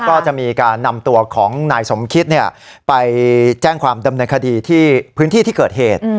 ก็จะมีการนำตัวของนายสมคิตไปแจ้งความดำเนินคดีที่พื้นที่ที่เกิดเหตุ